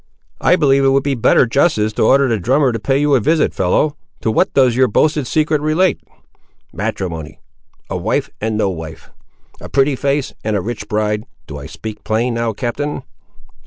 "I believe it would be better justice to order the drummer to pay you a visit, fellow. To what does your boasted secret relate?" "Matrimony; a wife and no wife; a pretty face and a rich bride: do I speak plain, now, captain?"